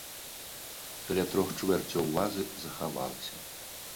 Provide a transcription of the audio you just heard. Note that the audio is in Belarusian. Каля трох чвэрцяў вазы захавалася.